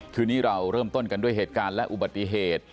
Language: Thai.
คืนนี้เราเริ่มต้นกันด้วยเหตุการณ์และอุบัติเหตุ